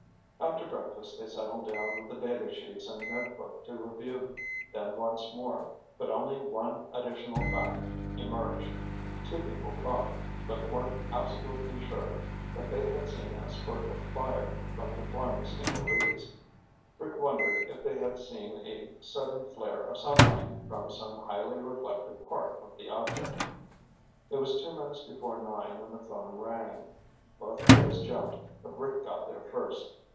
After breakfast they settled down with the data sheets and notebook to review them once more. But only one additional fact emerged. Two people thought, but weren't absolutely sure, that they had seen a spurt of fire from the flying stingarees. Rick wondered if they had seen a sudden flare of sunlight from some highly reflective part of the object. It was two minutes before nine when the phone rang. Both boys jumped, but Rick got there first.